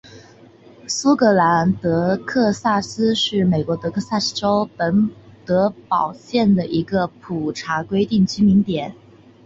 舒格兰德克萨斯是美国德克萨斯州本德堡县的一个普查规定居民点。